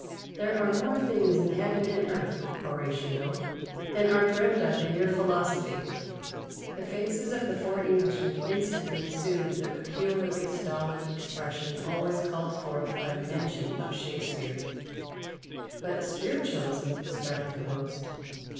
'There are more things in heaven and earth, Horatio, than are dreamt of in your philosophy!'" The faces of the four Englishmen instantly assumed that peculiarly stolid expression always called forth by the mention of Shakespeare. "But Spiritualism " started the Host.